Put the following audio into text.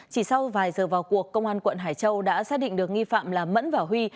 chỉ sau vài giờ vào cuộc công an quận hải châu đã xác định được nghi phạm là mẫn và huy